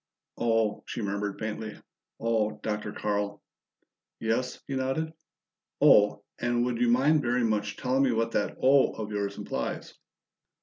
"Oh!" she murmured faintly. "Oh, Dr. Carl!" "Yes," he nodded. "'Oh!' and would you mind very much telling me what that 'Oh' of yours implies?"